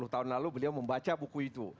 sepuluh tahun lalu beliau membaca buku itu